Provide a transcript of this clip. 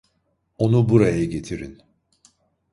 Onu buraya getirin!